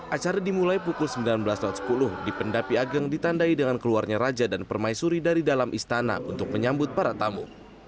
acara dimulai pukul sembilan belas sepuluh di pendapi ageng ditandai dengan keluarnya raja dan permaisuri dari dalam istana untuk menyambut para tamu